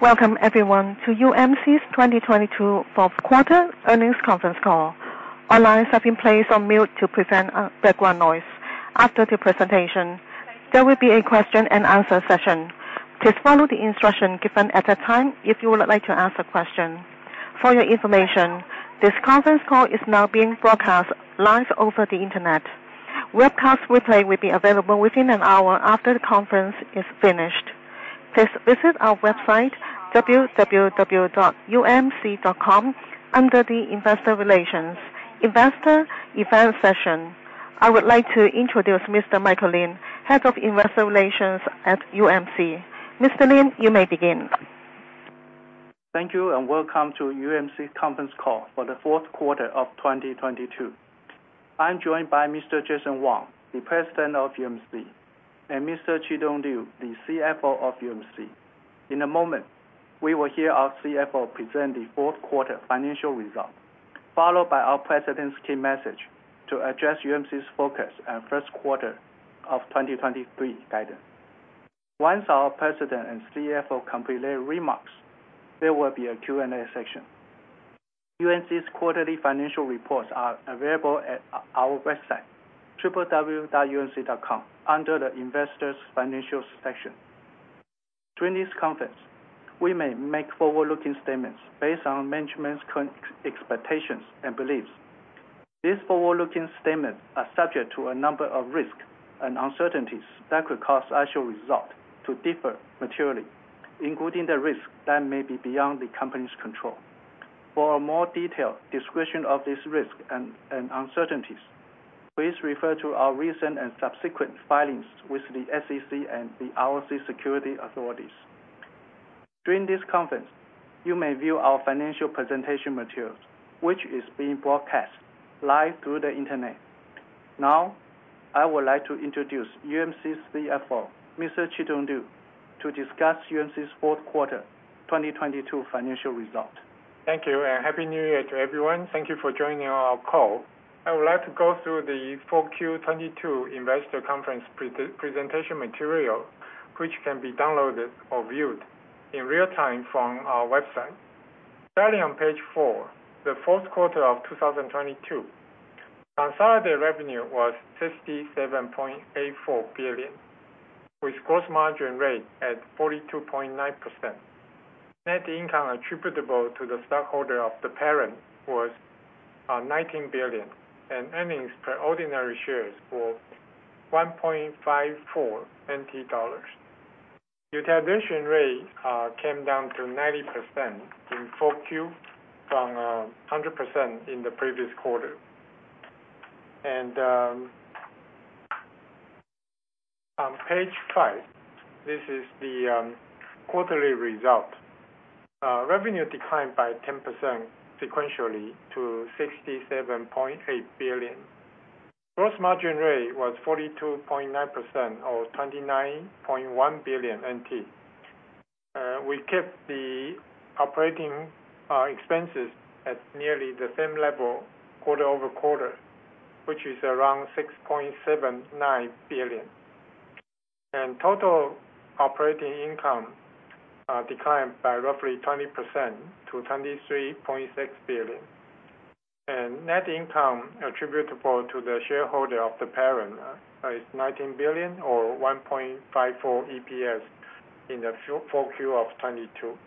Welcome everyone to UMC's 2022 fourth quarter earnings conference call. All lines have been placed on mute to prevent background noise. After the presentation, there will be a question and answer session. Please follow the instruction given at that time if you would like to ask a question. For your information, this conference call is now being broadcast live over the Internet. Webcast replay will be available within an hour after the conference is finished. Please visit our website www.umc.com under the Investor Relations, Investor Event session. I would like to introduce Mr. Michael Lin, Head of Investor Relations at UMC. Mr. Lin, you may begin. Thank you. Welcome to UMC conference call for the 4th quarter of 2022. I'm joined by Mr. Jason Wang, the President of UMC, and Mr. Chitung Liu, the CFO of UMC. In a moment, we will hear our CFO present the 4th quarter financial result, followed by our President's key message to address UMC's focus and 1st quarter of 2023 guidance. Once our President and CFO complete their remarks, there will be a Q&A session. UMC's quarterly financial reports are available at our website, www.umc.com, under the Investors Financials section. During this conference, we may make forward-looking statements based on management's current expectations and beliefs. These forward-looking statements are subject to a number of risks and uncertainties that could cause actual results to differ materially, including the risk that may be beyond the company's control. For a more detailed description of these risks and uncertainties, please refer to our recent and subsequent filings with the SEC and the ROC security authorities. During this conference, you may view our financial presentation materials, which is being broadcast live through the Internet. I would like to introduce UMC's CFO, Mr. Chitung Liu, to discuss UMC's fourth quarter 2022 financial result. Thank you. Happy New Year to everyone. Thank you for joining our call. I would like to go through the 4Q 2022 investor conference presentation material, which can be downloaded or viewed in real-time from our website. Starting on Page 4, the 4th quarter of 2022. Consolidated revenue was 67.84 billion, with gross margin rate at 42.9%. Net income attributable to the stockholder of the parent was 19 billion. Earnings per ordinary shares for NTD 1.54. Utilization rate came down to 90% in 4Q from 100% in the previous quarter. On Page 5, this is the quarterly result. Revenue declined by 10% sequentially to 67.8 billion. Gross margin rate was 42.9% or 29.1 billion NT. We kept the operating expenses at nearly the same level quarter-over-quarter, which is around 6.79 billion. Total operating income declined by roughly 20% to 23.6 billion. Net income attributable to the shareholder of the parent is 19 billion or 1.54 EPS in the 4Q of 2022.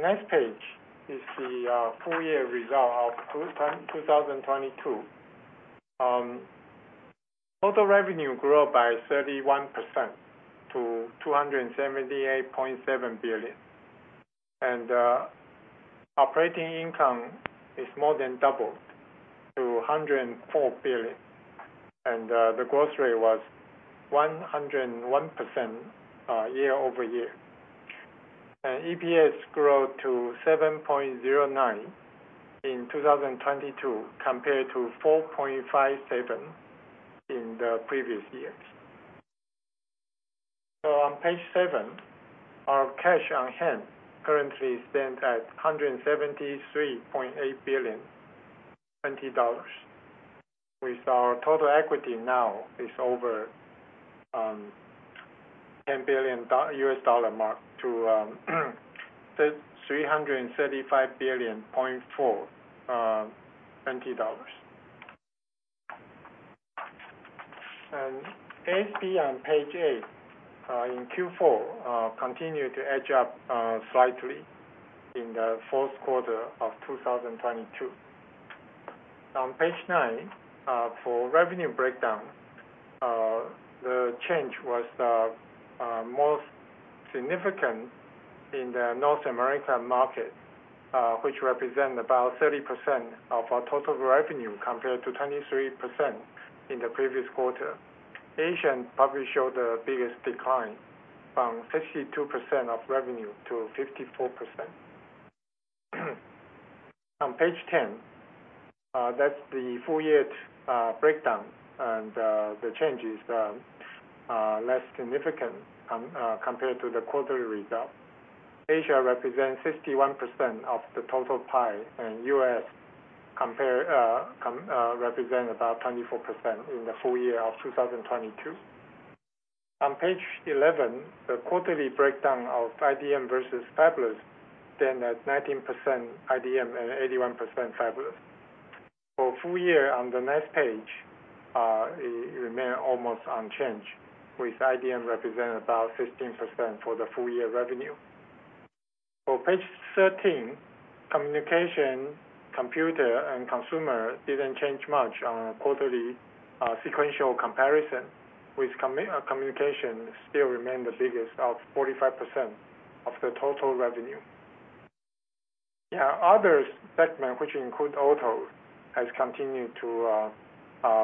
Next page is the full year result of 2022. Total revenue grew up by 31% to 278.7 billion. Operating income is more than doubled to 104 billion. The growth rate was 101% year-over-year. EPS grew to 7.09 in 2022 compared to 4.57 in the previous years. On Page 7, our cash on hand currently stands at 173.8 billion, with our total equity now is over $10 billion mark to TWD 335.4 billion. ASP on Page 8, in Q4, continued to edge up slightly in the fourth quarter of 2022. On Page 9, for revenue breakdown, the change was most significant in the North America market, which represent about 30% of our total revenue compared to 23% in the previous quarter. Asia probably showed the biggest decline from 52% of revenue to 54%. On Page 10, that's the full year breakdown and the changes less significant compared to the quarterly result. Asia represents 61% of the total pie, and U.S represent about 24% in the full year of 2022. On Page 11, the quarterly breakdown of IDM versus fabless, stand at 19% IDM and 81% fabless. For full year on the next page, it remain almost unchanged, with IDM representing about 15% for the full year revenue. For Page 13, communication, computer and consumer didn't change much on a quarterly sequential comparison, with communication still remain the biggest of 45% of the total revenue. The other segment, which include auto, has continued to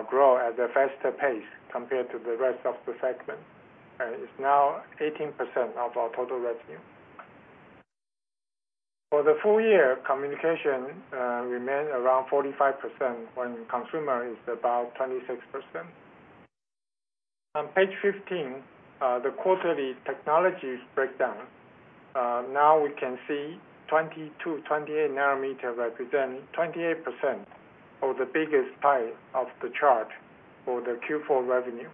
grow at a faster pace compared to the rest of the segment. It's now 18% of our total revenue. For the full year, communication remained around 45% when consumer is about 26%. On Page 15, the quarterly technologies breakdown. Now we can see 22/28 nanometer represent 28% of the biggest pie of the chart for the Q4 revenue.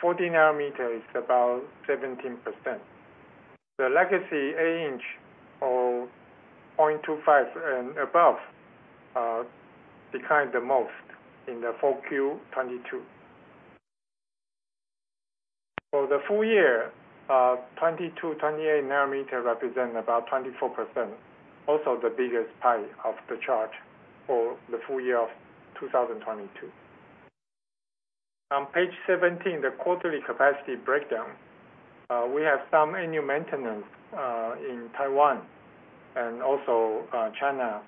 14 nm is about 17%. The legacy 8-inch or 0.25 and above declined the most in the full Q 22. For the full year, 22/28 nanometer represent about 24%, also the biggest pie of the chart for the full year of 2022. On page 17, the quarterly capacity breakdown. We have some annual maintenance in Taiwan and also China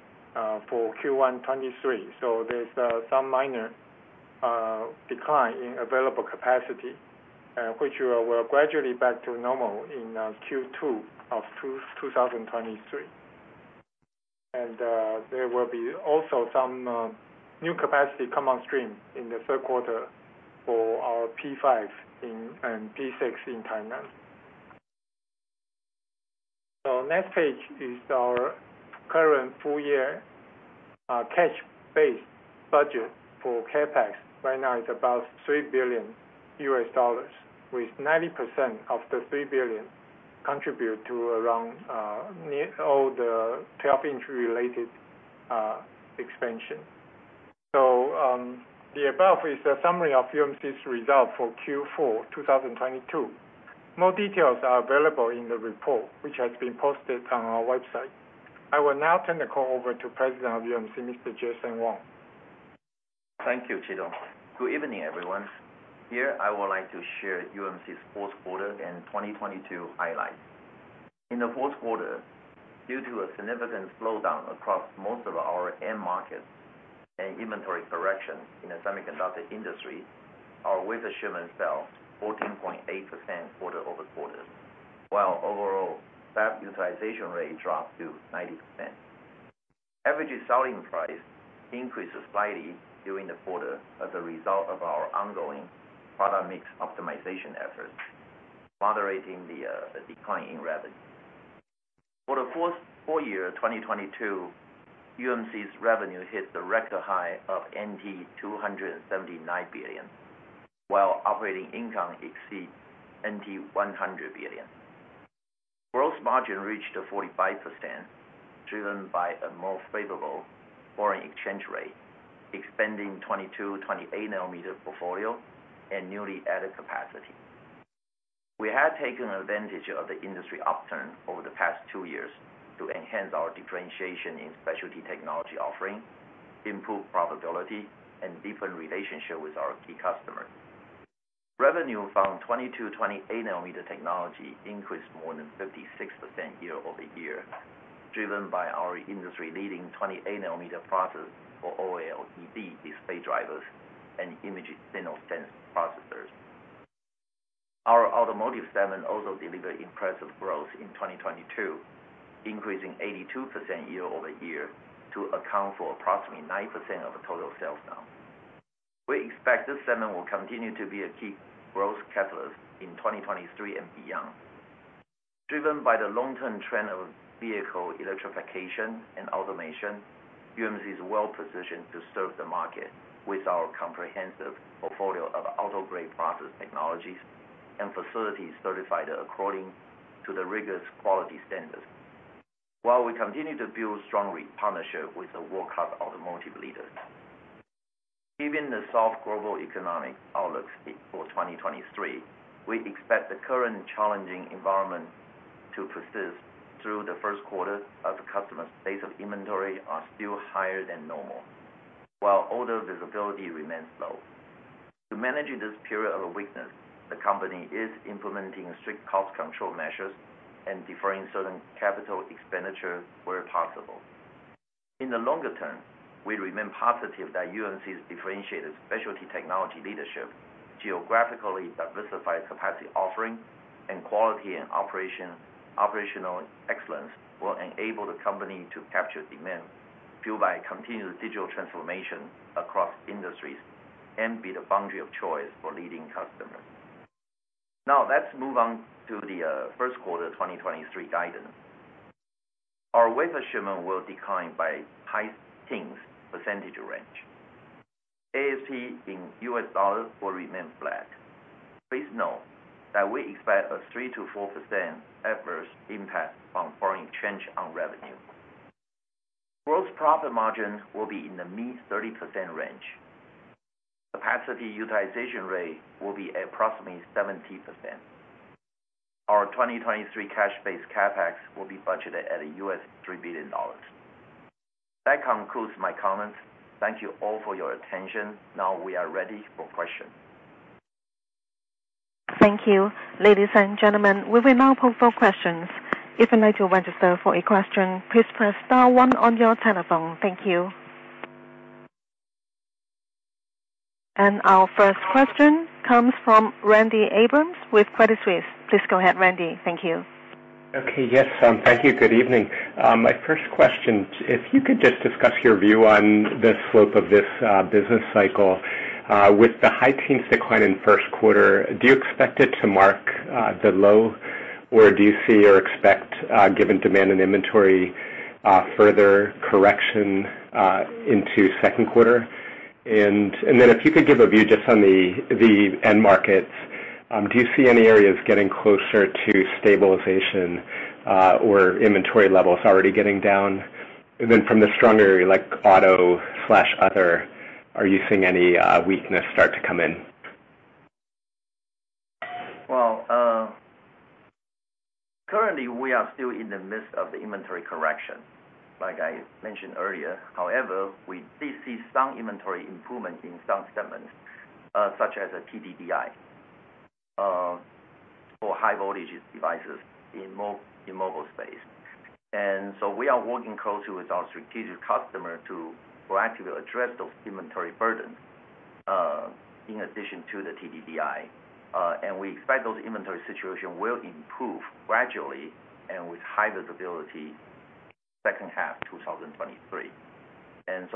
for Q1 '23. There's some minor decline in available capacity, which we're gradually back to normal in Q2 of 2023. There will be also some new capacity come on stream in the third quarter for our P5 and P6 in Tainan. Next page is our current full year cash-based budget for CapEx. Right now it's about $3 billion, with 90% of the $3 billion contribute to around all the 12-inch related expansion. The above is a summary of UMC's result for Q4 2022. More details are available in the report, which has been posted on our website. I will now turn the call over to President of UMC, Mr. Jason Wang. Thank you, Chi-Tung. Good evening, everyone. Here, I would like to share UMC's fourth quarter and 2022 highlights. In the fourth quarter, due to a significant slowdown across most of our end markets and inventory correction in the semiconductor industry, our wafer shipment fell 14.8% quarter-over-quarter, while overall fab utilization rate dropped to 90%. Average selling price increased slightly during the quarter as a result of our ongoing product mix optimization efforts, moderating the decline in revenue. For the full year 2022, UMC's revenue hit the record high of NT$279 billion, while operating income exceed NT$100 billion. Gross margin reached 45%, driven by a more favorable foreign exchange rate, expanding 22 / 28 nanometer portfolio and newly added capacity. We have taken advantage of the industry upturn over the past two years to enhance our differentiation in specialty technology offering, improve profitability and deepen relationship with our key customers. Revenue from 22/28 nanometer technology increased more than 56% year-over-year, driven by our industry leading 28 nanometer process for OLED display drivers and Image Signal Processors. Our automotive segment also delivered impressive growth in 2022, increasing 82% year-over-year to account for approximately 9% of the total sales now. We expect this segment will continue to be a key growth catalyst in 2023 and beyond. Driven by the long-term trend of vehicle electrification and automation, UMC is well positioned to serve the market with our comprehensive portfolio of auto-grade process technologies and facilities certified according to the rigorous quality standards, while we continue to build strong partnership with the world-class automotive leaders. Given the soft global economic outlooks for 2023, we expect the current challenging environment to persist through the first quarter as customers' days of inventory are still higher than normal, while order visibility remains low. To managing this period of weakness, the company is implementing strict cost control measures and deferring certain capital expenditure where possible. In the longer term, we remain positive that UMC's differentiated specialty technology leadership, geographically diversified capacity offering and operational excellence will enable the company to capture demand fueled by continuous digital transformation across industries. Be the foundry of choice for leading customers. Now let's move on to the first quarter 2023 guidance. Our wafer shipment will decline by high teens % range. ASP in U.S. dollars will remain flat. Please note that we expect a 3%-4% adverse impact on foreign change on revenue. Gross profit margins will be in the mid 30% range. Capacity utilization rate will be approximately 70%. Our 2023 cash-based CapEx will be budgeted at $3 billion. That concludes my comments. Thank you all for your attention. Now we are ready for question. Thank you. Ladies and gentlemen, we will now put for questions. If you'd like to register for a question, please press star one on your telephone. Thank you. Our first question comes from Randy Abrams with Credit Suisse. Please go ahead, Randy. Thank you. Okay. Yes, thank you. Good evening. My first question, if you could just discuss your view on the slope of this business cycle, with the high teen decline in first quarter, do you expect it to mark the low, or do you see or expect, given demand in inventory, further correction, into second quarter? If you could give a view just on the end markets, do you see any areas getting closer to stabilization, or inventory levels already getting down? From the stronger, like auto/other, are you seeing any weakness start to come in? Well, currently, we are still in the midst of the inventory correction, like I mentioned earlier. However, we did see some inventory improvement in some segments, such as a TDDI, for high voltage devices in mobile space. We are working closely with our strategic customer to proactively address those inventory burdens, in addition to the TDDI. We expect those inventory situation will improve gradually and with high visibility second half 2023.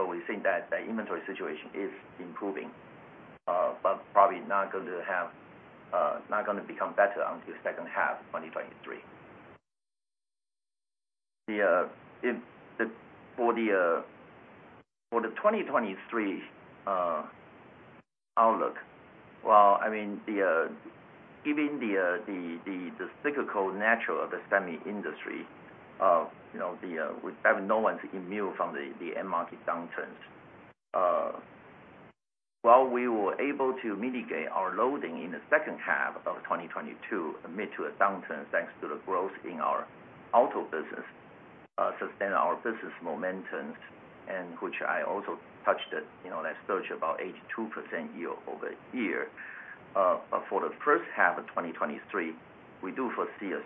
We think that the inventory situation is improving, but probably not going to have, not gonna become better until second half 2023. The for the for the 2023 outlook. Well, I mean, given the cyclical nature of the semi industry, you know, we have no one's immune from the end market downturn. While we were able to mitigate our loading in the second half of 2022, amid to a downturn thanks to the growth in our auto business, sustain our business momentum, and which I also touched it, you know, that surge about 82% year-over-year. For the first half of 2023, we do foresee a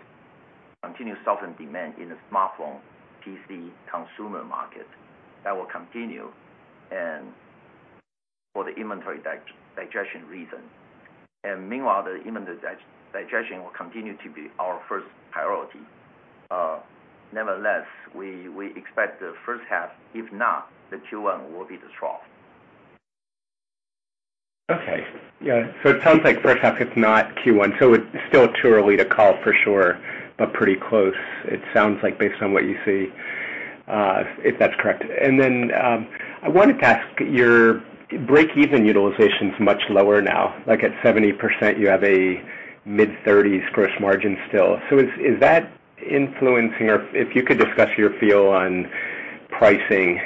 continuous soften demand in the smartphone PC consumer market that will continue and for the inventory digestion reason. Meanwhile, the inventory digestion will continue to be our first priority. Nevertheless, we expect the first half, if not, the Q1 will be the trough. Okay. Yeah. It sounds like first half it's not Q1, it's still too early to call for sure, but pretty close it sounds like based on what you see, if that's correct. I wanted to ask, your break-even utilization's much lower now. Like at 70%, you have a mid-30s gross margin still. Is that influencing or if you could discuss your feel on pricing,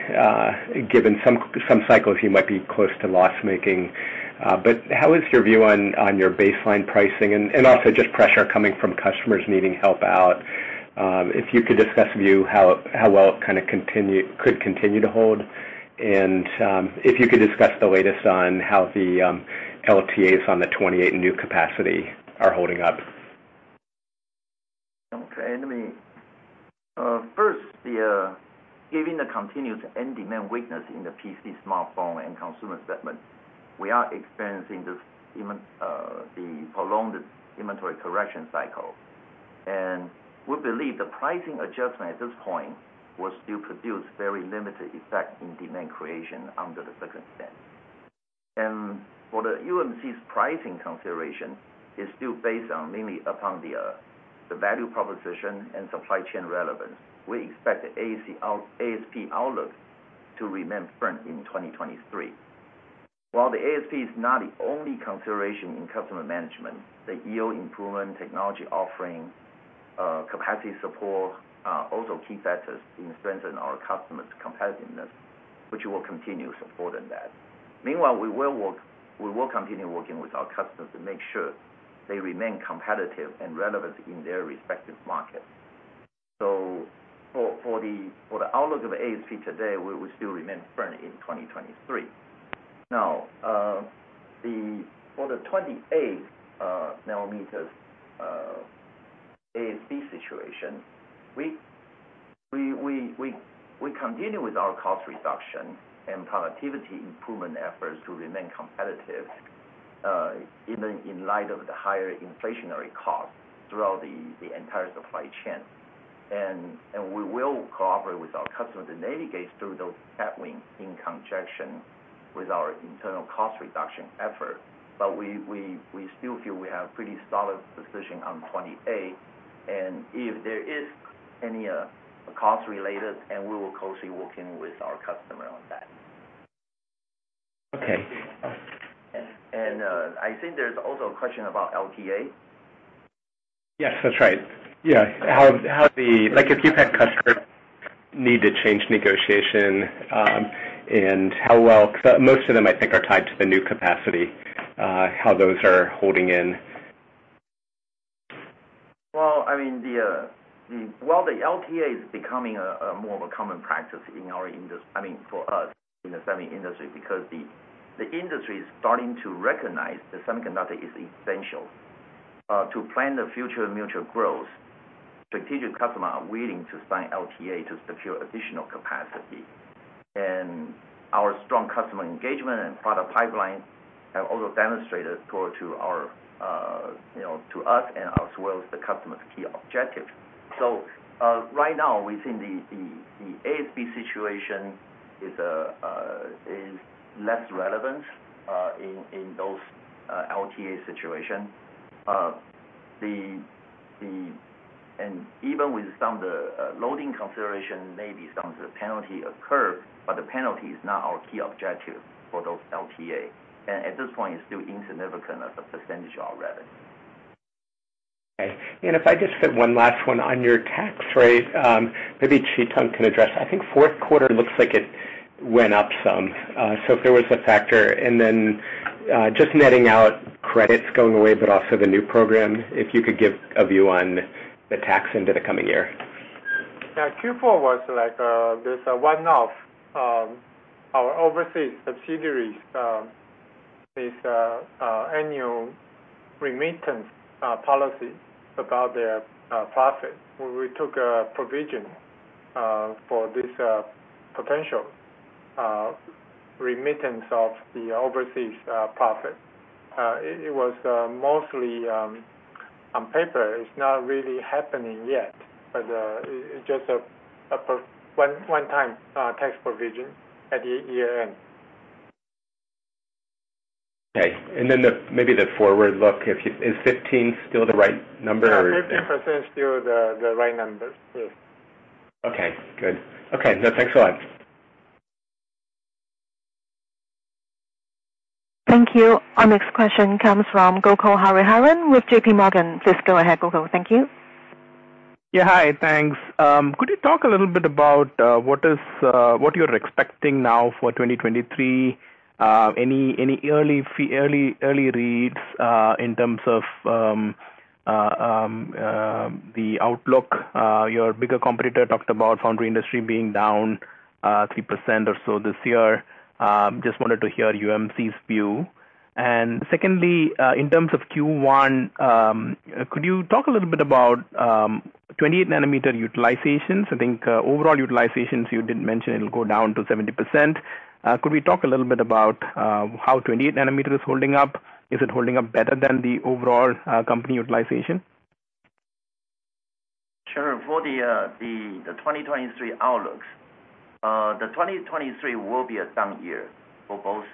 given some cycles you might be close to loss-making. How is your view on your baseline pricing and also just pressure coming from customers needing help out? If you could discuss view how well it could continue to hold and, if you could discuss the latest on how the LTAs on the 28 new capacity are holding up. Okay. First, given the continued end demand weakness in the PC smartphone and consumer segment, we are experiencing this prolonged inventory correction cycle. We believe the pricing adjustment at this point will still produce very limited effect in demand creation under the circumstance. For the UMC's pricing consideration, is still based on mainly upon the value proposition and supply chain relevance. We expect the ASP outlook to remain firm in 2023. While the ASP is not the only consideration in customer management, the yield improvement technology offering, capacity support, also key factors in strengthening our customers' competitiveness, which will continue supporting that. Meanwhile, we will continue working with our customers to make sure they remain competitive and relevant in their respective markets. For the outlook of ASP today, we still remain firm in 2023. For the 28 nm ASP situation, we continue with our cost reduction and productivity improvement efforts to remain competitive. Even in light of the higher inflationary costs throughout the entire supply chain. We will cooperate with our customers to navigate through those headwinds in conjunction with our internal cost reduction effort. We still feel we have pretty solid position on 28, if there is any cost related, we will closely working with our customer on that. Okay. I think there's also a question about LTA. Yes, that's right. Yeah. How the like if you've had customers need to change negotiation, and how well? Most of them I think are tied to the new capacity, how those are holding in. Well, I mean, the LTA is becoming a more of a common practice in our I mean, for us in the semi industry, because the industry is starting to recognize that semiconductor is essential to plan the future mutual growth. Strategic customer are willing to sign LTA to secure additional capacity. Our strong customer engagement and product pipeline have also demonstrated toward to our, you know, to us and as well as the customer's key objective. Right now we think the ASP situation is less relevant in those LTA situation. Even with some of the loading consideration, maybe some of the penalty occur, but the penalty is not our key objective for those LTA. At this point, it's still insignificant as a percentage of our revenue. Okay. If I just fit one last one on your tax rate, maybe Chi-Tung can address. I think fourth quarter looks like it went up some, if there was a factor, just netting out credits going away but also the new program, if you could give a view on the tax into the coming year. Yeah. Q4 was like this one-off, our overseas subsidiaries, this annual remittance policy about their profit. We took a provision for this potential remittance of the overseas profit. It was mostly on paper. It's not really happening yet, but it just a one-time tax provision at the year-end. Okay. Maybe the forward look. Is 15 still the right number? Yeah. 15% is still the right number. Yes. Okay, good. Okay. No, thanks a lot. Thank you. Our next question comes from Gokul Hariharan with JPMorgan. Please go ahead, Gokul. Thank you. Yeah. Hi, thanks. Could you talk a little bit about what is what you're expecting now for 2023? Any early reads in terms of the outlook? Your bigger competitor talked about foundry industry being down 3% or so this year. Just wanted to hear UMC's view. Secondly, in terms of Q1, could you talk a little bit about 20 nanometer utilizations? I think overall utilizations, you did mention it'll go down to 70%. Could we talk a little bit about how 20 nm is holding up? Is it holding up better than the overall company utilization? Sure. For the 2023 outlooks, the 2023 will be a down year for both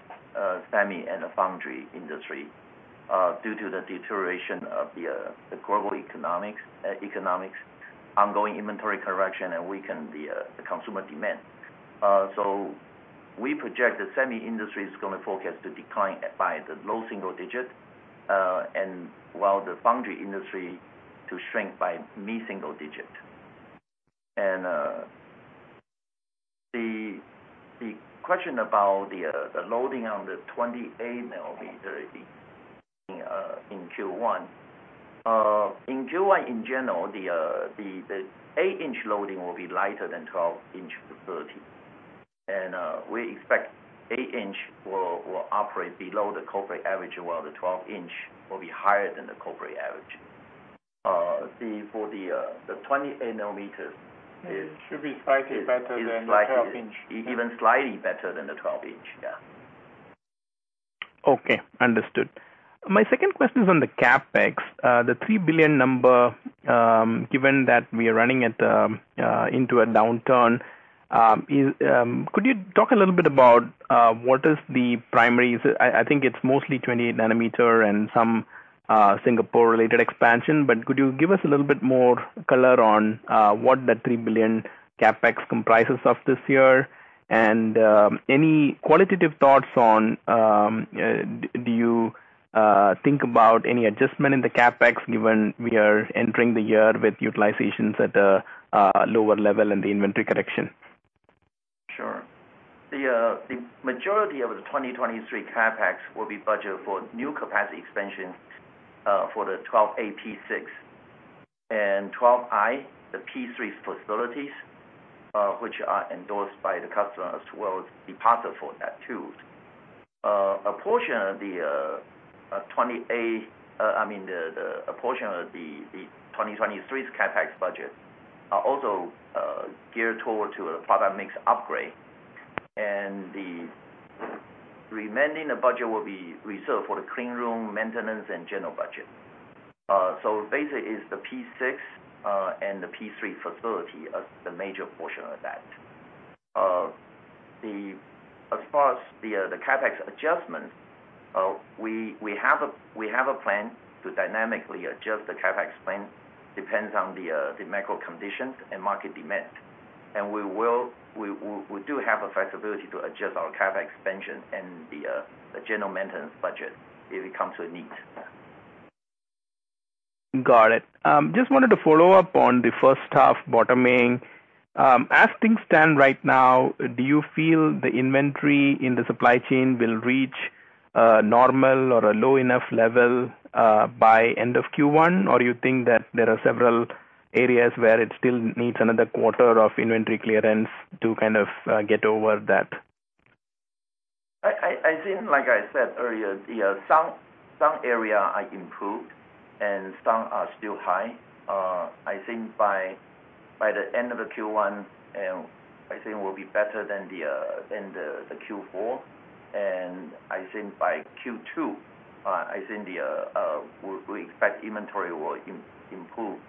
semi and the foundry industry, due to the deterioration of the global economics, ongoing inventory correction and weaken the consumer demand. We project the semi industry is gonna forecast to decline by the low single digit, while the foundry industry to shrink by mid-single digit. The question about the loading on the 28-nanometer in Q1. In Q1, in general, the 8-inch loading will be lighter than 12-inch facility. We expect 8-inch will operate below the corporate average, while the 12-inch will be higher than the corporate average. For the 20 nm is- It should be slightly better than the 12-inch. Even slightly better than the 12-inch. Yeah. Okay. Understood. My second question is on the CapEx, the $3 billion number, given that we are running into a downturn. Could you talk a little bit about what is the primaries? I think it's mostly 20 nanometer and some Singapore related expansion, but could you give us a little bit more color on what that $3 billion CapEx comprises of this year? Any qualitative thoughts on, do you think about any adjustment in the CapEx given we are entering the year with utilizations at a lower level in the inventory correction? Sure. The majority of the 2023 CapEx will be budget for new capacity expansion for the Fab 12A P6 and Fab 12i, the P3 facilities, which are endorsed by the customers to well as deposit for that too. A portion of the 28, a portion of the 2023 CapEx budget are also geared toward to a product mix upgrade. The remaining of budget will be reserved for the clean room maintenance and general budget. Basically it's the P6 and the P3 facility as the major portion of that. As far as the CapEx adjustment, we have a plan to dynamically adjust the CapEx plan depends on the macro conditions and market demand. We do have a flexibility to adjust our CapEx expansion and the general maintenance budget if it comes to a need. Got it. Just wanted to follow up on the first half bottoming. As things stand right now, do you feel the inventory in the supply chain will reach normal or a low enough level by end of Q1? Or you think that there are several areas where it still needs another quarter of inventory clearance to kind of get over that? I think, like I said earlier, the some area are improved and some are still high. I think by the end of the Q1, I think we'll be better than the Q4. I think by Q2, I think the we expect inventory will improve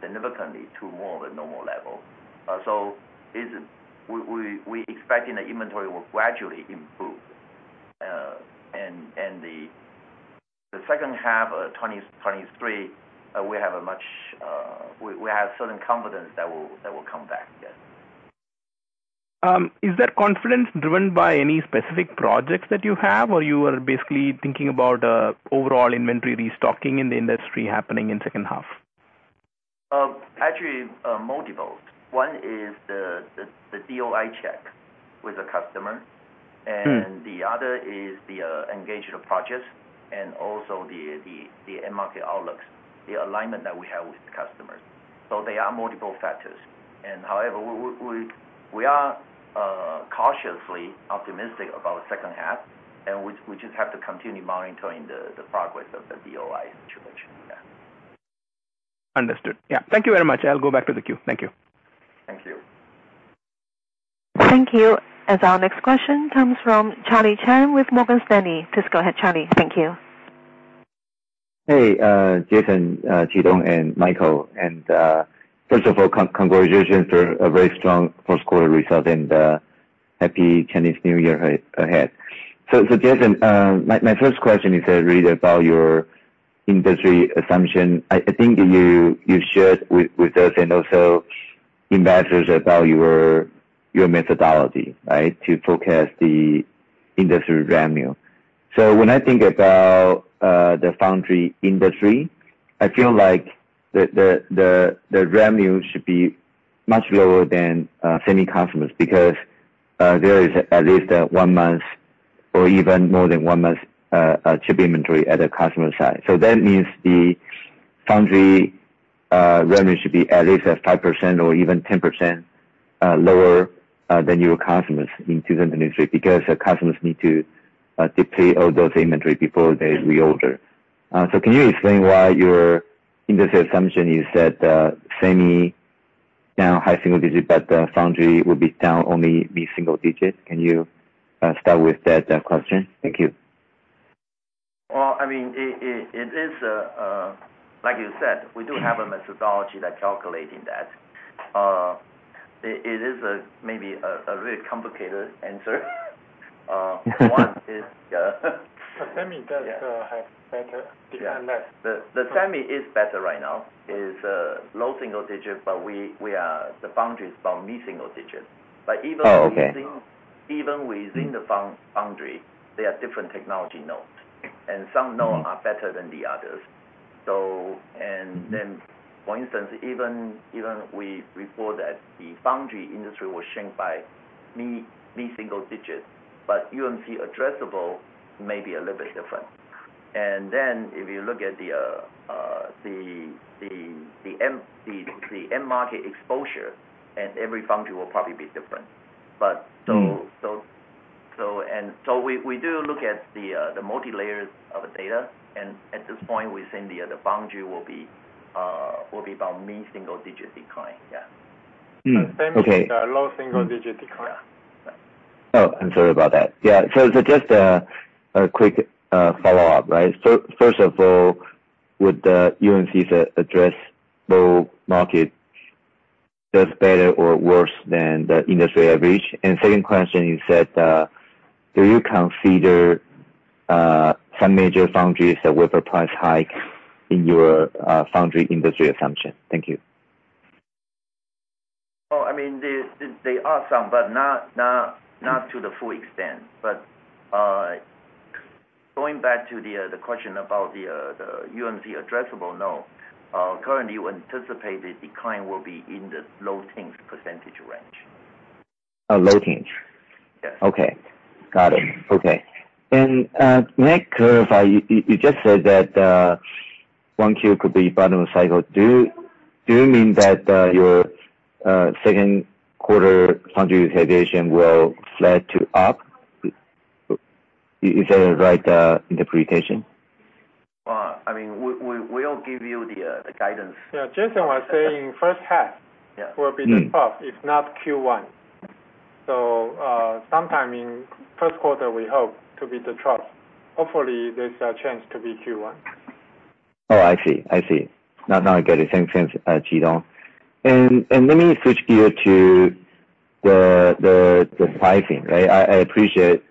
significantly to more the normal level. We expecting the inventory will gradually improve. The second half of 2023, we have a much, we have certain confidence that will come back. Yes. Is that confidence driven by any specific projects that you have or you are basically thinking about, overall inventory restocking in the industry happening in second half? actually, multiples. One is the DOI check with the customer. Mm. The other is the engaged projects and also the end market outlooks, the alignment that we have with customers. There are multiple factors. However, we are cautiously optimistic about second half, and we just have to continue monitoring the progress of the DOI situation. Yeah. Understood. Yeah. Thank you very much. I'll go back to the queue. Thank you. Thank you. Thank you. As our next question comes from Charlie Chan with Morgan Stanley. Please go ahead, Charlie. Thank you. Hey, Jason, Chi-Tung, and Michael, first of all, congratulations for a very strong first quarter result and happy Chinese New Year ahead. Jason, my first question is really about your industry assumption. I think you shared with us and also investors about your methodology, right, to forecast the industry revenue. When I think about the foundry industry, I feel like the revenue should be much lower than semi customers because there is at least one month or even more than one month's chip inventory at the customer side. That means the foundry, revenue should be at least at 5% or even 10%, lower, than your customers into the industry because the customers need to, deplete all those inventory before they reorder. Can you explain why your industry assumption is that, semi down high single digit, but the foundry will be down only mid-single digit? Can you, start with that, question? Thank you. Well, I mean, it is, like you said, we do have a methodology that calculating that. It is a, maybe a very complicated answer. Yeah. The semi does have better business. Yeah. The semi is better right now, is low single digit. The foundry is about mid-single digits. Oh, okay. Even within the foundry, there are different technology nodes, and some node are better than the others. And then, for instance, even we report that the foundry industry was shrink by mid-single digits, but UMC addressable may be a little bit different. And then if you look at the end market exposure and every foundry will probably be different. Mm-hmm. We do look at the multilayers of data. At this point, we think the foundry will be about mid-single digit decline. Yeah. Okay. Same with the low single digit decline. Yeah. Oh, I'm sorry about that. Yeah. Just a quick follow-up, right? First of all, would the UMC's address both market does better or worse than the industry average? Second question is that, do you consider some major foundries that wafer price hike in your foundry industry assumption? Thank you. I mean, there are some, but not to the full extent. Going back to the UMC addressable node, currently we anticipate the decline will be in the low teens % range. Oh, low teens? Yes. Okay. Got it. Okay. May I clarify, you just said that, 1Q could be bottom of cycle. Do you mean that, your second quarter foundry utilization will flat to up? Is that a right interpretation? Well, I mean, we'll give you the guidance. Yeah. Jason was saying first half- Yeah. Mm-hmm. will be the top, if not Q1. Sometime in first quarter we hope to be the top. Hopefully, there's a chance to be Q1. Oh, I see. I see. Now, now I get it. Thanks, Quidong. Let me switch gear to the pricing, right? I appreciate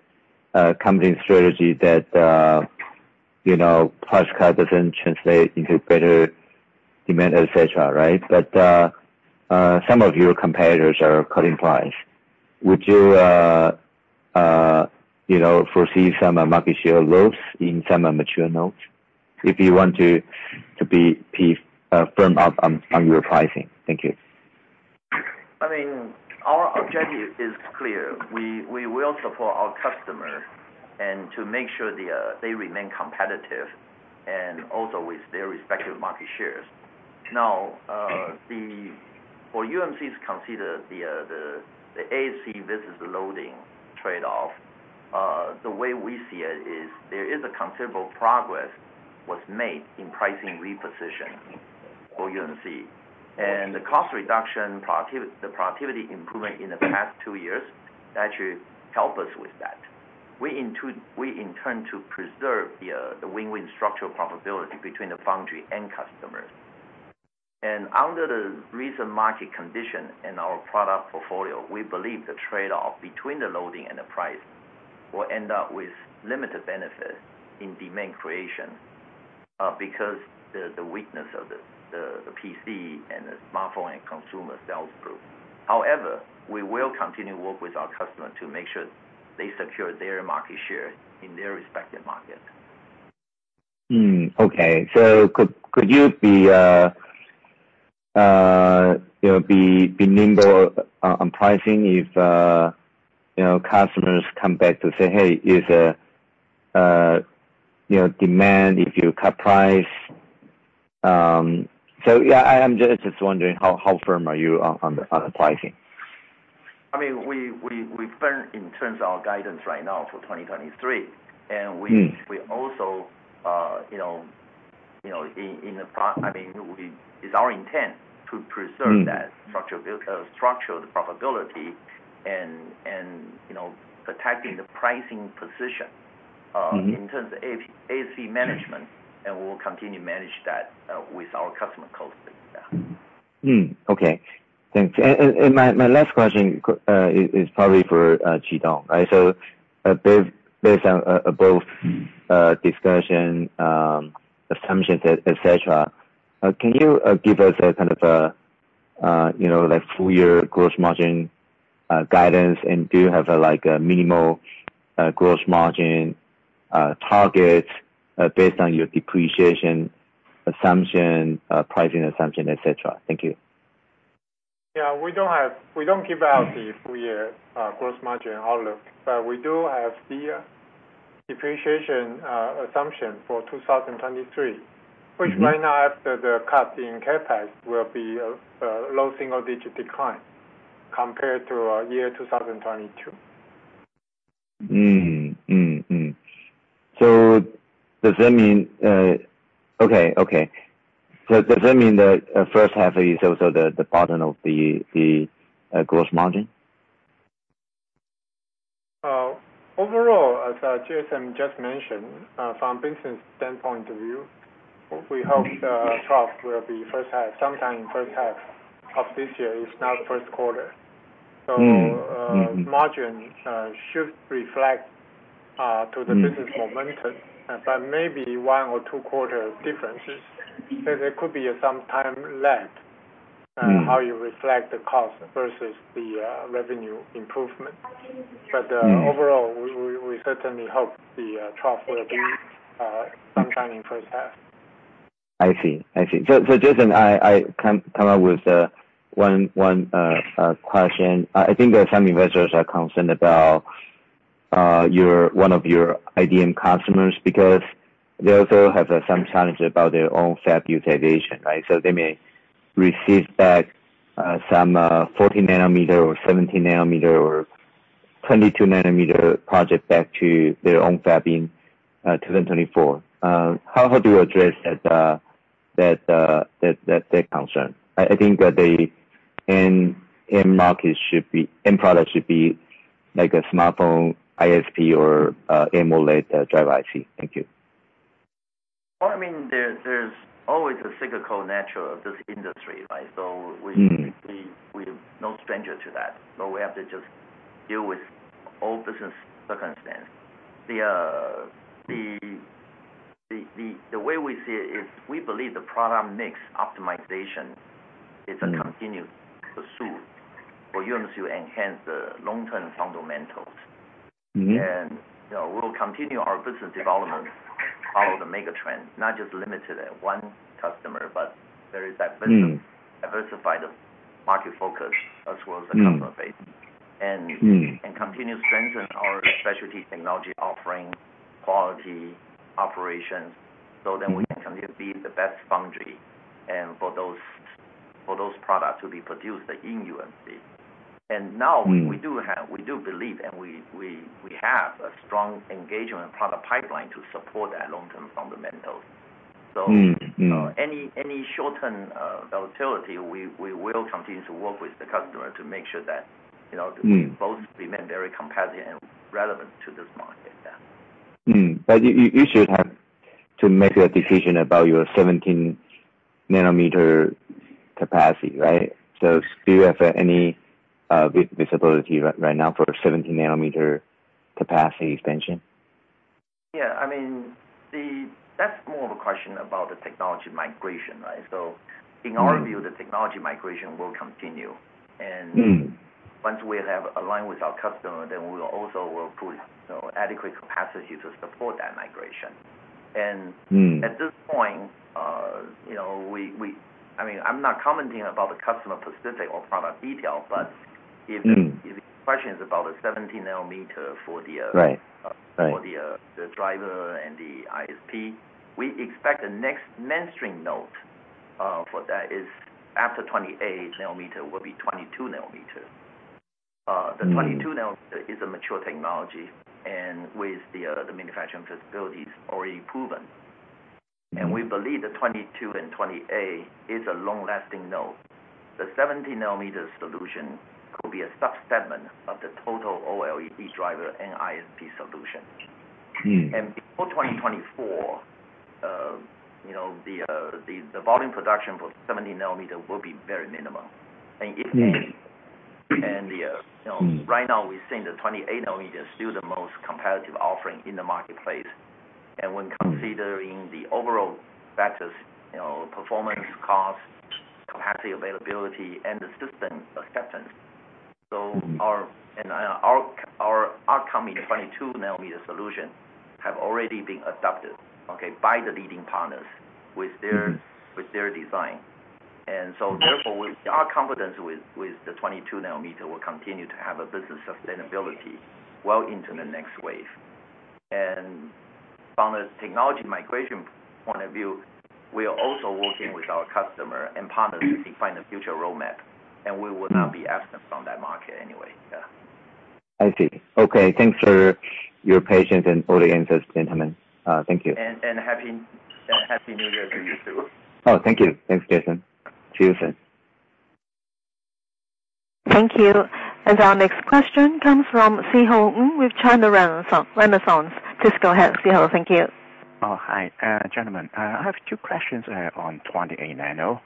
company's strategy that, you know, price cut doesn't translate into better demand, et cetera, right? Some of your competitors are cutting price. Would you know, foresee some market share loss in some mature nodes if you want to be firm on your pricing? Thank you. I mean, our objective is clear. We will support our customer and to make sure they remain competitive and also with their respective market shares. For UMC's consider the AC versus the loading trade-off, the way we see it is there is a considerable progress was made in pricing reposition for UMC. The cost reduction productivity improvement in the past two years actually help us with that. We in turn to preserve the win-win structural profitability between the foundry and customers. Under the recent market condition and our product portfolio, we believe the trade-off between the loading and the price will end up with limited benefit in demand creation, because the weakness of the PC and the smartphone and consumer sales growth. However, we will continue work with our customer to make sure they secure their market share in their respective market. Okay. Could you be, you know, nimble on pricing if, you know, customers come back to say, "Hey, is, you know, demand if you cut price..." Yeah, I'm just wondering how firm are you on the pricing? I mean, we firm in terms of our guidance right now for 2023. Mm. we also, you know, I mean, It's our intent to preserve. Mm. that structural profitability and, you know, protecting the pricing position. Mm-hmm. in terms of AC management, we will continue manage that with our customer closely. Okay. Thanks. My last question is probably for Chitung Liu, right? Based on above discussion, assumptions, et cetera, can you give us a kind of, you know, like full year gross margin guidance and do you have a, like a minimal gross margin target based on your depreciation assumption, pricing assumption, et cetera? Thank you. Yeah. We don't give out the full year, gross margin outlook. We do have the depreciation, assumption for 2023. Mm-hmm. Which right now after the cut in CapEx will be a low single digit decline compared to our year 2022. Does that mean Okay. Does that mean the first half is also the bottom of the gross margin? Overall, as Jason just mentioned, from business standpoint of view, we hope the trough will be first half, sometime first half of this year. It's now the first quarter. Mm. Mm-hmm. Margin should reflect. Mm-hmm. to the business momentum, but maybe one or two quarter differences. There could be some time lag. Mm. on how you reflect the cost versus the revenue improvement. Mm. Overall, we certainly hope the trough will be sometime in first half. I see. I see. Jason, I come up with one question. I think there are some investors are concerned about one of your IDM customers because they also have some challenge about their own fab utilization, right? They may receive back some 40 nm or 17 nm or 22 nm project back to their own fab in 2024. How do you address that concern? I think that the end product should be like a smartphone ISP or AMOLED driver IC. Thank you. Well, I mean, there's always a cyclical nature of this industry, right? Mm. We're no stranger to that. We have to just deal with all business circumstance. The way we see it is we believe the product mix optimization is a continued pursuit for UMC to enhance the long-term fundamentals. Mm-hmm. You know, we'll continue our business development, follow the mega trend, not just limited at one customer, but very diversified-. Mm. Diversified market focus as well as the customer base. Mm. And- Mm. Continuous strengthen our specialty technology offering, quality operations, we can continue be the best foundry and for those products to be produced in UMC. Now. Mm-hmm. We do believe, and we have a strong engagement product pipeline to support that long-term fundamentals. Mm-hmm. Mm-hmm. You know, any short-term volatility, we will continue to work with the customer to make sure that, you know. Mm-hmm. We both remain very competitive and relevant to this market. Yeah. Mm-hmm. You should have to make a decision about your 17 nm capacity, right? Do you have any visibility right now for 17 nanometer capacity expansion? Yeah. I mean, that's more of a question about the technology migration, right? In our view. Mm-hmm. The technology migration will continue. Mm-hmm. once we have aligned with our customer, then we will also will put, you know, adequate capacity to support that migration. Mm-hmm. At this point, you know, we I mean, I'm not commenting about the customer specific or product detail. Mm-hmm. if the question is about the 17 nm for the, Right. Right. For the driver and the ISP, we expect the next mainstream node for that is after 28 nm will be 22 nm. Mm-hmm. The 22 nm is a mature technology, and with the manufacturing capabilities already proven. Mm-hmm. We believe the 22 and 28 is a long-lasting node. The 17 nanometer solution could be a subsegment of the total OLED driver and ISP solution. Mm-hmm. Before 2024, you know, the volume production for 17 nanometer will be very minimal. Mm-hmm. And the, uh, you know- Mm-hmm. Right now we're seeing the 28 nm is still the most competitive offering in the marketplace. When considering the overall factors, you know, performance, cost, capacity availability, and the system acceptance. Mm-hmm. Our upcoming 22 nm solution have already been adopted, okay, by the leading partners with their- Mm-hmm. with their design. Therefore, with our confidence with the 22 nm will continue to have a business sustainability well into the next wave. From a technology migration point of view, we are also working with our customer and partners to define the future roadmap. We will not be absent from that market anyway. Yeah. I see. Okay. Thanks for your patience and all the answers, gentlemen. Thank you. Happy New Year to you, too. Thank you. Thanks, Jason. See you soon. Thank you. Our next question comes from Szeho with China Renaissance. Please go ahead, Szeho. Thank you. Hi, gentlemen, I have two questions on 28 nm.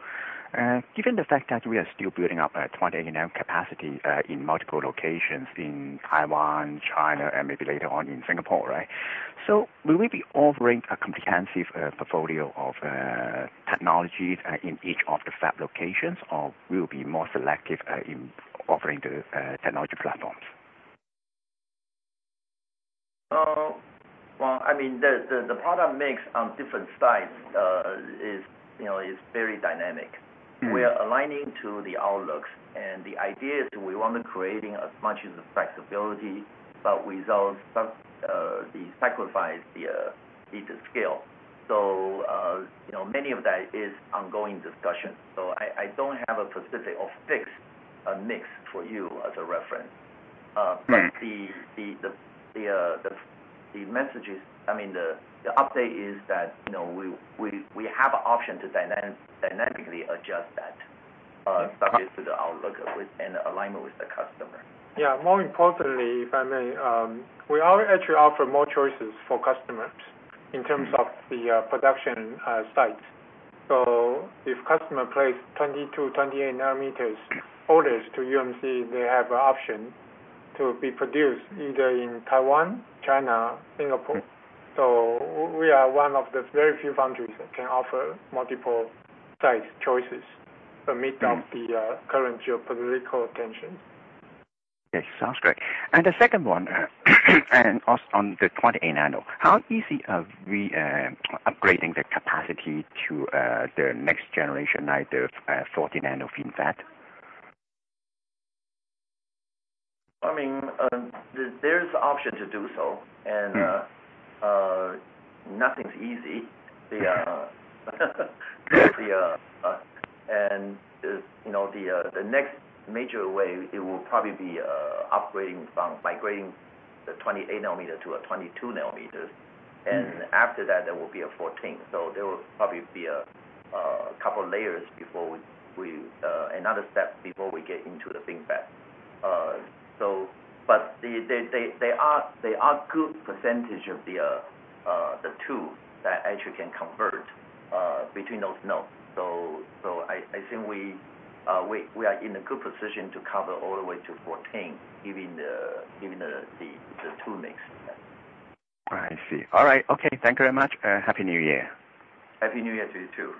Given the fact that we are still building up 28 nm capacity in multiple locations in Taiwan, China, and maybe later on in Singapore, right? Will we be offering a comprehensive portfolio of technologies in each of the fab locations or we'll be more selective in offering the technology platforms? Well, I mean, the product mix on different sites, is, you know, is very dynamic. Mm-hmm. We are aligning to the outlooks. The idea is we want to creating as much as the flexibility, but without sacrifice the scale. You know, many of that is ongoing discussion. I don't have a specific or fixed mix for you as a reference. Mm-hmm. The messages, I mean, the update is that, you know, we have an option to dynamically adjust that, subject to the outlook with and alignment with the customer. Yeah. More importantly, if I may, we are actually offer more choices for customers in terms of the production sites. If customer place 22, 28 nm orders to UMC, they have a option to be produced either in Taiwan, China, Singapore. We are one of the very few founders that can offer multiple site choices. Mm-hmm. amidst of the, current geopolitical tension. Yes. Sounds great. The second one, on the 28 nm, how easy are we upgrading the capacity to the next generation, like the 14 nm FinFET? I mean, there is option to do so. Mm-hmm. Nothing's easy. The, the, and, you know, the next major way, it will probably be upgrading from migrating the 28 nm to a 22 nanometers. Mm-hmm. After that, there will be a 14. There will probably be a couple layers before we another step before we get into the FinFET. They are good percentage of the two that actually can convert between those nodes. I think we are in a good position to cover all the way to 14 given the tool mix. Yeah. I see. All right. Okay. Thank you very much, and Happy New Year. Happy New Year to you, too.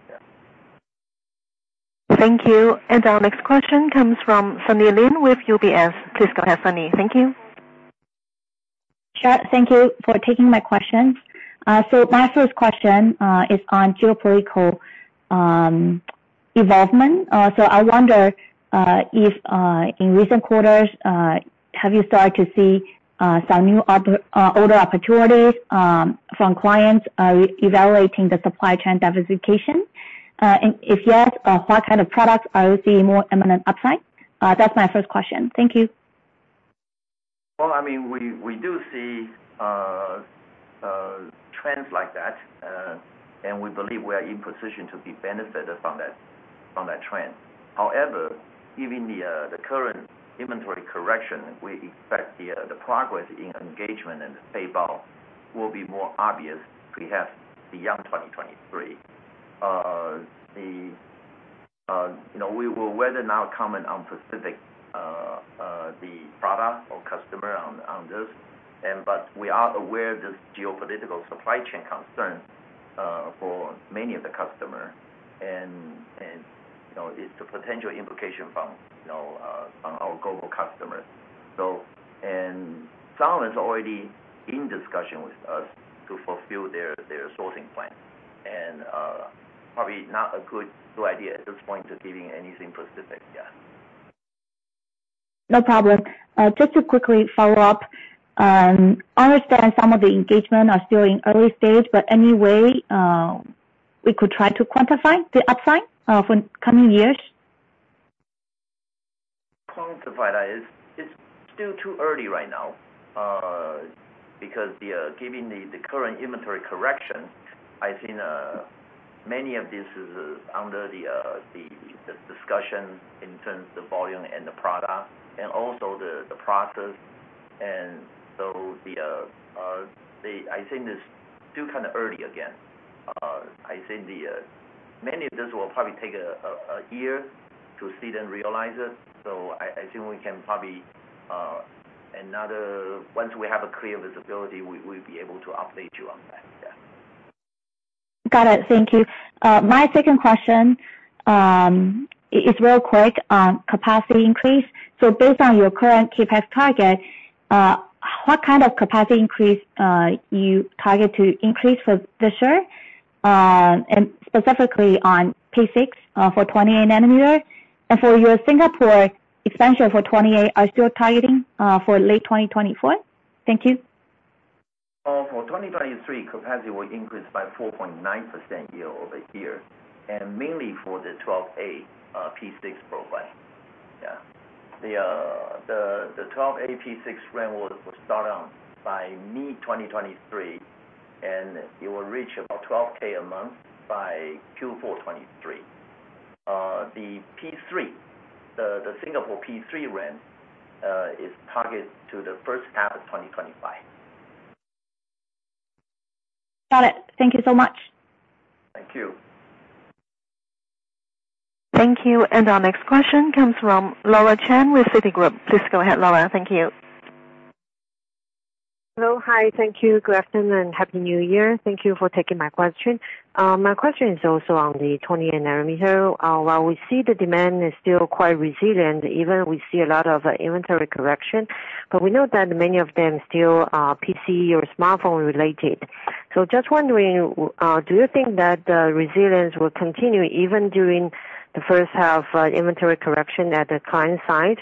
Yeah. Thank you. Our next question comes from Sunny Lin with UBS. Please go ahead, Sunny. Thank you. Sure. Thank you for taking my questions. My first question is on geopolitical evolvement. I wonder if in recent quarters, have you started to see older opportunities from clients re-evaluating the supply chain diversification? If yes, what kind of products are you seeing more eminent upside? That's my first question. Thank you. Well, I mean, we do see trends like that. We believe we are in position to be benefited from that trend. However, given the current inventory correction, we expect the progress in engagement and the payback will be more obvious perhaps beyond 2023. You know, we will whether or not comment on specific product or customer on this. We are aware of this geopolitical supply chain concern for many of the customer and, you know, it's the potential implication from, you know, on our global customers. Some is already in discussion with us to fulfill their sourcing plan. Probably not a good idea at this point to giving anything specific, yeah. No problem. Just to quickly follow up, I understand some of the engagement are still in early stage, but any way, we could try to quantify the upside for coming years? Quantify that, it's still too early right now, because the given the current inventory correction, I think many of these is under the discussion in terms of volume and the product and also the process. I think it's still kind of early again. I think many of these will probably take a year to see them realize it. I think we can probably, once we have a clear visibility, we'll be able to update you on that. Yeah. Got it. Thank you. My second question is real quick on capacity increase. Based on your current CapEx target, what kind of capacity increase you target to increase for this year, and specifically on P6, for 20 nanometer? For your Singapore expansion for 28 are still targeting for late 2024? Thank you. For 2023, capacity will increase by 4.9% year-over-year, mainly for the Fab 12A P6 profile. The Fab 12A P6 ramp will start on by mid-2023, and it will reach about 12K a month by Q4 2023. The P3, the Singapore P3 ramp, is targeted to the first half of 2025. Got it. Thank you so much. Thank you. Thank you. Our next question comes from Laura Chen with Citigroup. Please go ahead, Laura. Thank you. Hello. Hi. Thank you. Good afternoon, and happy New Year. Thank you for taking my question. My question is also on the 20 nm. While we see the demand is still quite resilient, even we see a lot of inventory correction, we know that many of them still are PC or smartphone related. Just wondering, do you think that the resilience will continue even during the first half inventory correction at the client side?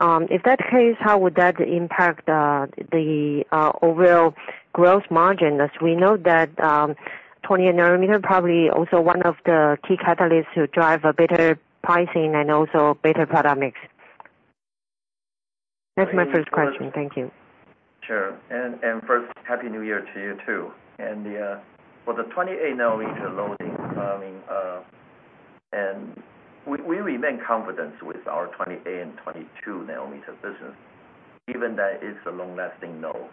If that's the case, how would that impact the overall growth margin, as we know that 20 nanometer probably also one of the key catalysts to drive a better pricing and also better product mix? That's my first question. Thank you. Sure. First, happy new year to you, too. For the 28 nm loading, I mean, we remain confident with our 28 and 22 nm business, given that it's a long-lasting node,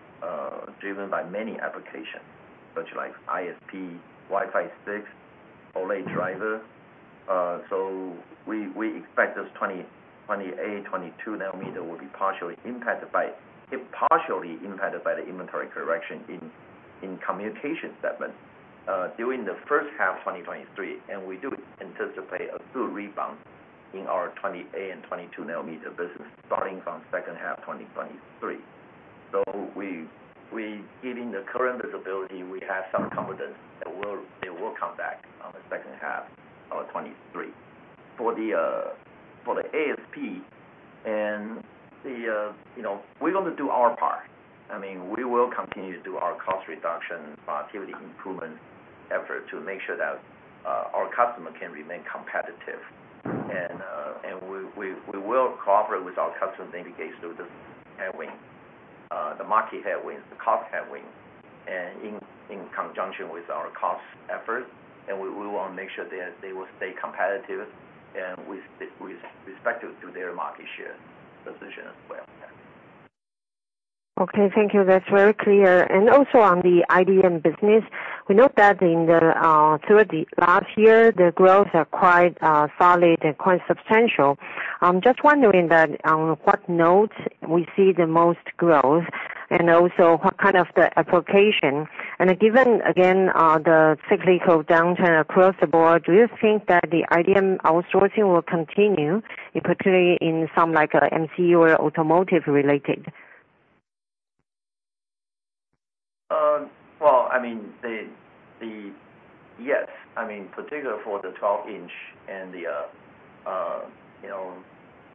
driven by many applications, such like ISP, Wi-Fi 6, OLED driver. We expect this 28, 22 nm will be partially impacted by the inventory correction in communication segment during the first half 2023. We do anticipate a good rebound in our 28 and 22 nm business starting from second half 2023. We, given the current visibility, we have some confidence that it will come back on the second half of 2023. For the ASP and the, you know, we're gonna do our part. I mean, we will continue to do our cost reduction, productivity improvement effort to make sure that our customer can remain competitive. We will cooperate with our customers in the case of the headwind, the market headwind, the cost headwind, and in conjunction with our cost efforts. We want to make sure that they will stay competitive and with respective to their market share position as well. Yeah. Okay. Thank you. That's very clear. Also on the IDM business, we know that in the through the last year, the growth are quite solid and quite substantial. I'm just wondering that what nodes we see the most growth and also what kind of the application. Given again, the cyclical downturn across the board, do you think that the IDM outsourcing will continue, particularly in some like MCU or automotive related? Well, I mean, yes, I mean, particular for the 12-inch and the, you know,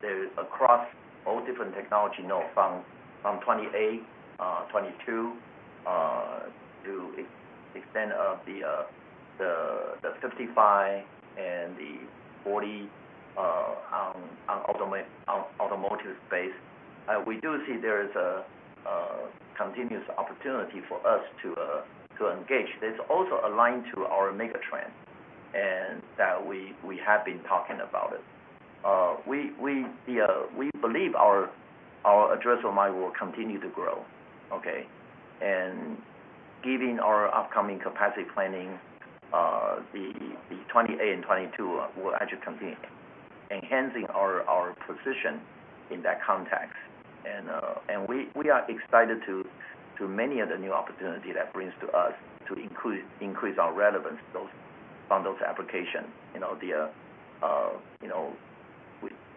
there is across all different technology node from 28, 22, to extend the 55 nm and the 40 on automotive space. We do see there is a continuous opportunity for us to engage. That's also aligned to our mega trend and that we have been talking about it. We believe our addressable market will continue to grow, okay? Giving our upcoming capacity planning, the 28 and 22 will actually continue enhancing our position in that context. We are excited to many of the new opportunity that brings to us to increase our relevance to on those application. You know, the, you know,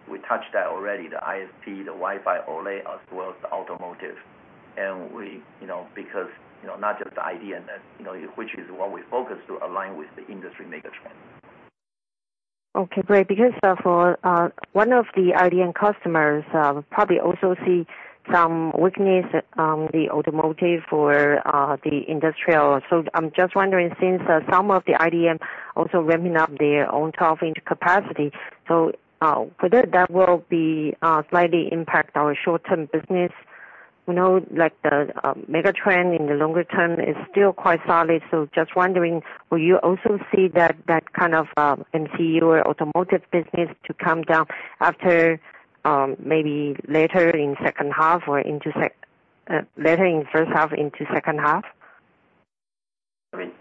we touched that already, the ISP, the Wi-Fi, OLED, as well as the automotive. We, you know, because, you know, not just the IDM that, you know, which is what we focus to align with the industry mega trend. Okay, great. Because for one of the IDM customers, probably also see some weakness on the automotive for the industrial. I'm just wondering, since some of the IDM also ramping up their own 12-inch capacity, for that will be slightly impact our short-term business. We know like the mega trend in the longer term is still quite solid, so just wondering will you also see that kind of, NCE or automotive business to come down after maybe later in second half or into later in first half into second half? I mean,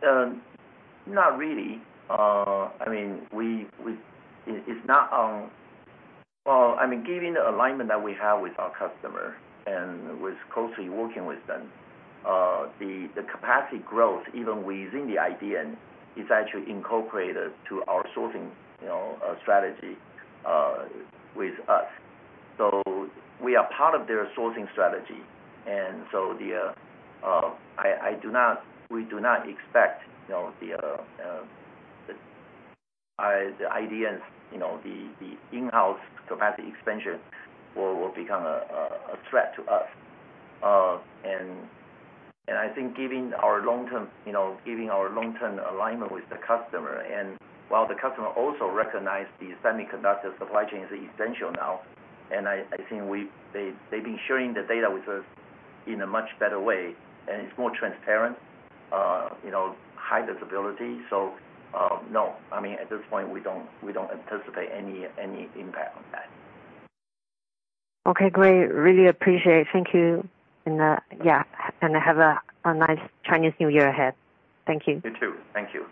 not really. I mean, it's not. Well, I mean, given the alignment that we have with our customer and with closely working with them, the capacity growth, even within the IDM, is actually incorporated to our sourcing, you know, strategy with us. We are part of their sourcing strategy. I do not, we do not expect, you know, the IDMs, you know, the in-house capacity expansion will become a threat to us. I think given our long-term, you know, given our long-term alignment with the customer, and while the customer also recognize the semiconductor supply chain is essential now, I think they've been sharing the data with us in a much better way, and it's more transparent, you know, high visibility. No, I mean, at this point, we don't anticipate any impact on that. Okay, great. Really appreciate. Thank you. Yeah, and have a nice Chinese New Year ahead. Thank you. You too. Thank you.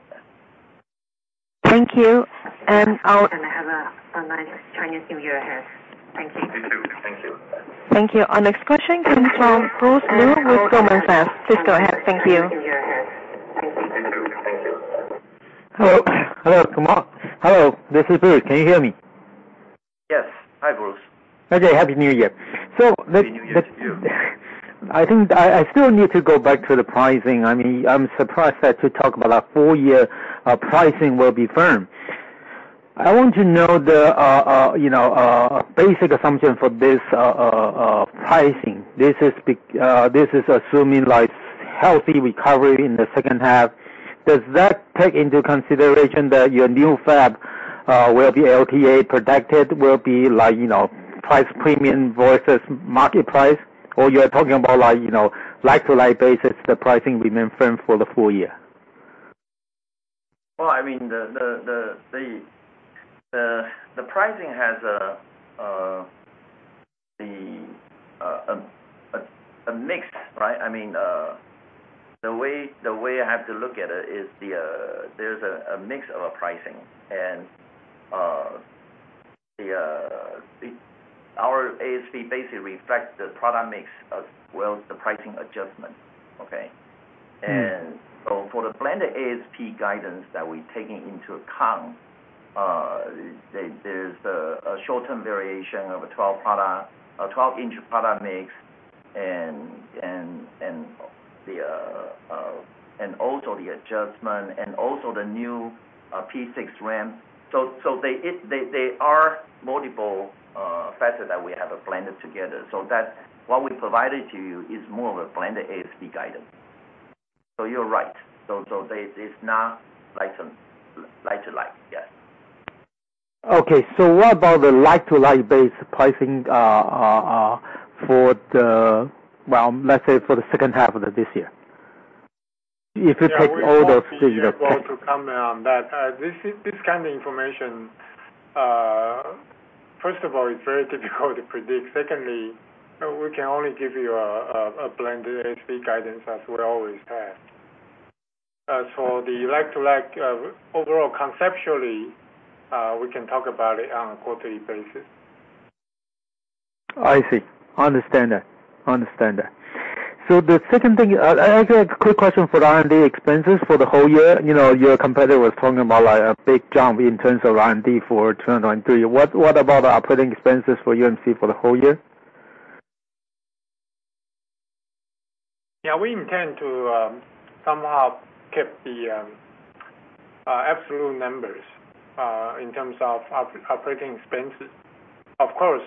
Thank you. Have a nice Chinese New Year ahead. Thank you. You too. Thank you. Thank you. Our next question comes from Bruce Lu with Goldman Sachs. Please go ahead. Thank you. Have a nice Chinese New Year ahead. Thank you. You too. Thank you. Hello. Hello, Bruce. Hello, this is Bruce. Can you hear me? Yes. Hi, Bruce. Okay. Happy New Year. Happy New Year to you. I think I still need to go back to the pricing. I mean, I'm surprised that you talk about a full year pricing will be firm. I want to know the, you know, basic assumption for this pricing. This is assuming like healthy recovery in the second half. Does that take into consideration that your new fab will be LTA protected, will be like, you know, price premium versus market price? Or you're talking about like, you know, like-to-like basis, the pricing remain firm for the full year. Well, I mean, the pricing has a mix, right? I mean, the way I have to look at it is there's a mix of a pricing. Our ASP basically reflects the product mix as well as the pricing adjustment. Okay? Mm. For the blended ASP guidance that we're taking into account, there's a short-term variation of a 12-inch product mix and also the adjustment and also the new P6 RAM. They are multiple factors that we have blended together. What we provided to you is more of a blended ASP guidance. You're right. It's not like to, like to like. Yes. Okay. What about the like-to-like base pricing, well, let's say for the second half of this year? If you take all those figures. Yeah. We won't be able to comment on that. This kind of information, first of all, it's very difficult to predict. Secondly, we can only give you a blended ASP guidance as we always have. The like to like, overall conceptually, we can talk about it on a quarterly basis. I see. Understand that. Understand that. The second thing, I have a quick question for the R&D expenses for the whole year. You know, your competitor was talking about like a big jump in terms of R&D for 2023. What about the operating expenses for UMC for the whole year? Yeah, we intend to somehow keep the absolute numbers in terms of operating expenses. Of course,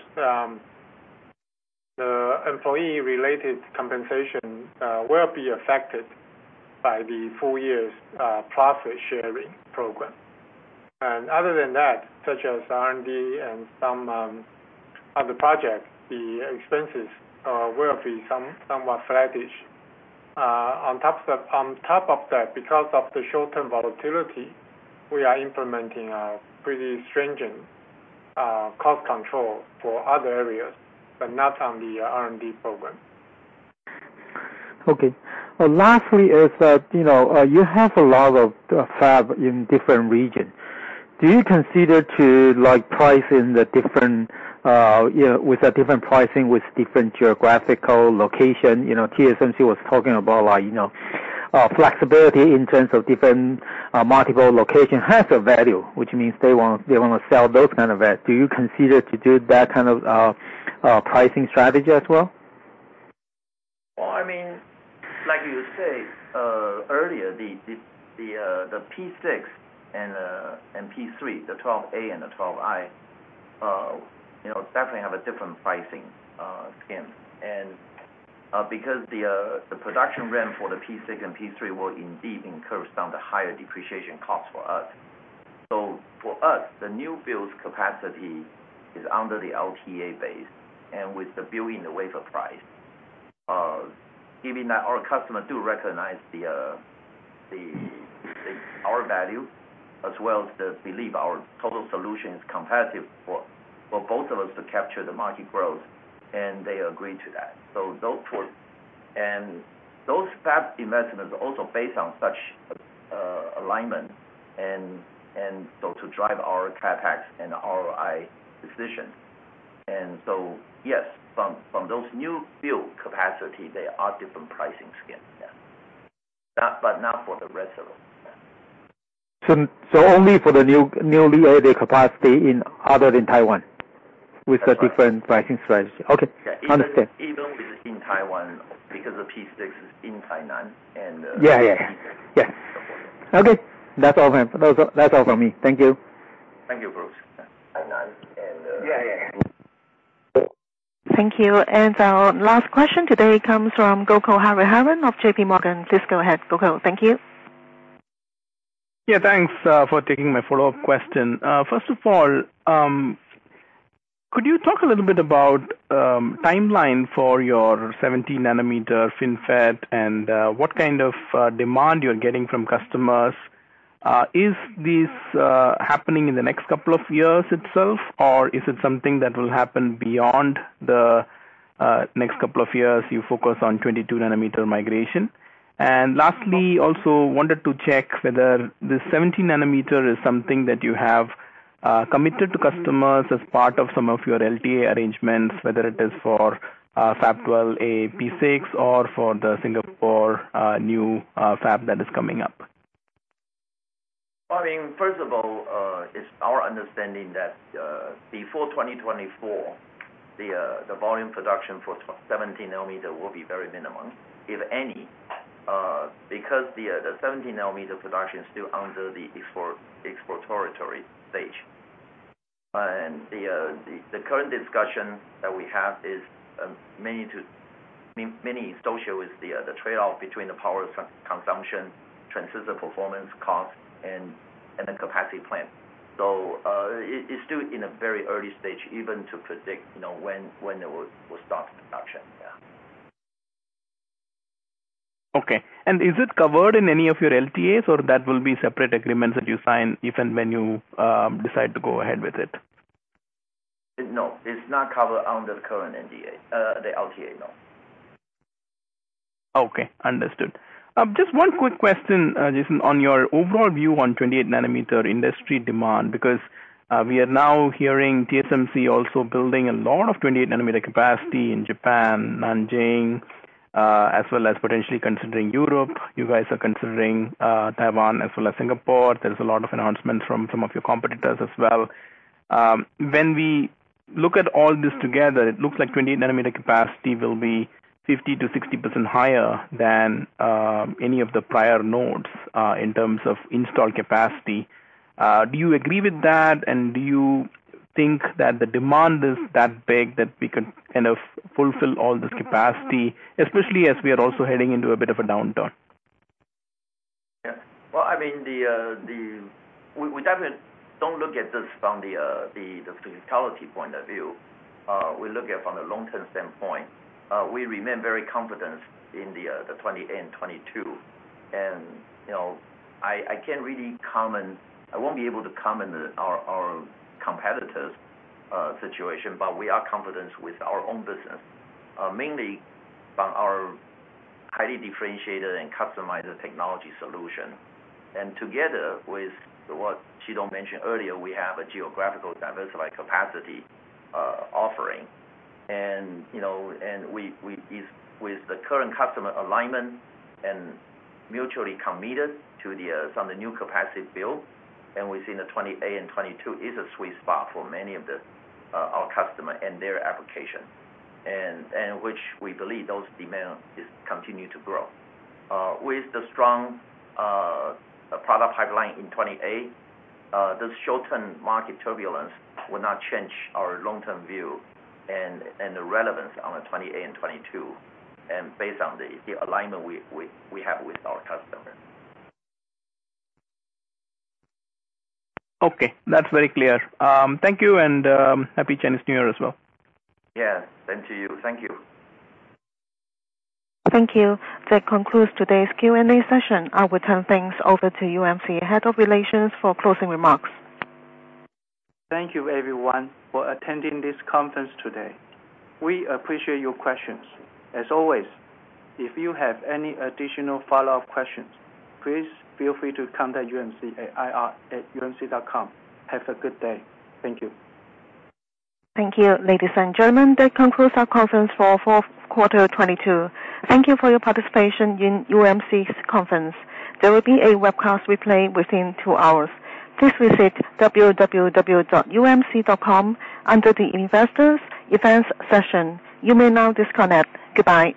the employee related compensation will be affected by the four years profit sharing program. Other than that, such as R&D and some other project, the expenses will be somewhat flattish. On top of, on top of that, because of the short-term volatility, we are implementing a pretty stringent cost control for other areas, but not on the R&D program. Okay. Well, lastly is that, you know, you have a lot of fab in different regions. Do you consider to like price in the different, you know, with a different pricing, with different geographical location? You know, TSMC was talking about like, you know, flexibility in terms of different multiple location has a value, which means they wanna sell those kind of that. Do you consider to do that kind of pricing strategy as well? Well, I mean, like you say, earlier, the P6 and P3, the 12A and the 12i, you know, definitely have a different pricing scheme. Because the production ramp for the P6 and P3 will indeed incur some of the higher depreciation costs for us. For us, the new build capacity is under the LTA base and with the build-in wafer price. Given that our customers do recognize the our value as well as the belief our total solution is competitive for both of us to capture the market growth, and they agree to that. Those fab investments are also based on such alignment and so to drive our CapEx and ROI decision. Yes, from those new build capacity, there are different pricing scheme. But not for the rest of them. Only for the newly added capacity in other than Taiwan. That's right. with a different pricing strategy. Okay. Yeah. Understand. Even within Taiwan because the P6 is in Tainan. Yeah, yeah. -P7. Okay. That's all I have. That's all for me. Thank you. Thank you, Bruce. Tainan and... Thank you. Our last question today comes from Gokul Hariharan of JPMorgan. Please go ahead, Gokul. Thank you. Thanks for taking my follow-up question. First of all, could you talk a little bit about timeline for your 14 nanometer FinFET and what kind of demand you're getting from customers? Is this happening in the next couple of years itself, or is it something that will happen beyond the next couple of years, you focus on 22 nm migration? Lastly, also wanted to check whether the 14 nanometer is something that you have committed to customers as part of some of your LTA arrangements, whether it is for Fab 12A P6 or for the Singapore new fab that is coming up. I mean, first of all, it's our understanding that before 2024, the volume production for 14 nanometer will be very minimum, if any, because the 14 nm production is still under the exploratory stage. The current discussion that we have is, main issue is the trade-off between the power consumption, transistor performance, cost, and the capacity plan. It's still in a very early stage even to predict, you know, when it will start production. Yeah. Okay. Is it covered in any of your LTAs or that will be separate agreements that you sign if and when you decide to go ahead with it? No, it's not covered under the current NDA, the LTA, no. Okay, understood. Just one quick question, Jason, on your overall view on 28 nm industry demand. We are now hearing TSMC also building a lot of 28 nm capacity in Japan, Nanjing, as well as potentially considering Europe. You guys are considering Taiwan as well as Singapore. There's a lot of announcements from some of your competitors as well. When we look at all this together, it looks like 28 nm capacity will be 50%-60% higher than any of the prior nodes in terms of installed capacity. Do you agree with that? Do you think that the demand is that big that we could kind of fulfill all this capacity, especially as we are also heading into a bit of a downturn? Yeah. Well, I mean, the. We definitely don't look at this from the physicality point of view. We look at it from a long-term standpoint. We remain very confident in the 28 and 22. You know, I can't really comment. I won't be able to comment on our competitor's situation, but we are confident with our own business, mainly by our highly differentiated and customized technology solution. Together with what Chitung Liu mentioned earlier, we have a geographical diversified capacity offering. You know, and we is with the current customer alignment and mutually committed to the some of the new capacity build, and we've seen the 28 and 22 is a sweet spot for many of our customer and their application. Which we believe those demand is continue to grow. With the strong product pipeline in 28, the short-term market turbulence will not change our long-term view and the relevance on the 28 and 22 nm, based on the alignment we have with our customer. Okay. That's very clear. Thank you and happy Chinese New Year as well. Yeah. To you. Thank you. Thank you. That concludes today's Q&A session. I will turn things over to UMC Head of Relations for closing remarks. Thank you everyone for attending this conference today. We appreciate your questions. As always, if you have any additional follow-up questions, please feel free to contact UMC at ir@umc.com. Have a good day. Thank you. Thank you. Ladies and gentlemen, that concludes our conference for fourth quarter 2022. Thank you for your participation in UMC's conference. There will be a webcast replay within two hours. Please visit www.umc.com under the Investors Events session. You may now disconnect. Goodbye.